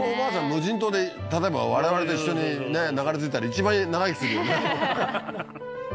無人島で例えば我々と一緒にねえ流れ着いたら一番長生きするよねははははっ